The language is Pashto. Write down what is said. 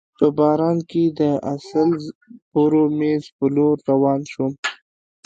په باران کي د اسلز بورومیز په لور روان شوم.